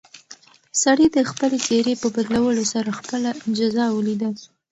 سړي د خپلې څېرې په بدلولو سره خپله جزا ولیده.